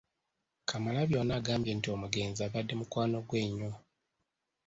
Kamalabyonna agambye nti omugenzi abadde mukwano gwe nnyo.